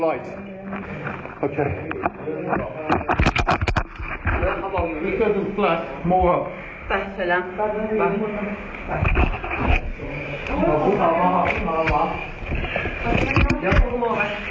อ๋อไล้นี่ทู่ย่อยมันเหรอแบบนี้เรื่องขึ้นมา